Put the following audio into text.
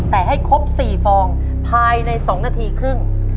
แต่ให้ครบ๔ฟองภายใน๒นาทีครึ่ง